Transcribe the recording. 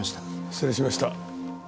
失礼しました。